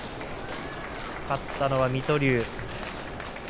勝ったのは、水戸龍。